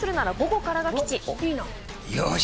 よし！